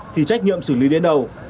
thì trách nhiệm xử lý đến đầu